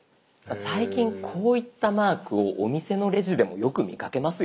最近こういったマークをお店のレジでもよく見かけますよね？